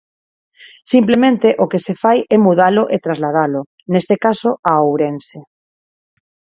Simplemente o que se fai é mudalo e trasladalo, neste caso, a Ourense.